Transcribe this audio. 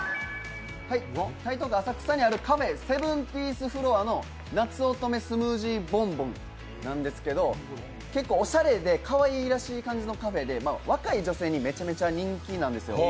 台東区浅草にあるＣａｆｅ１７／Ｆのなつおとめスムージーボンボンなんですけどおしゃれでかわいらしい感じのカフェで若い女性にめちゃめちゃ人気なんですよ。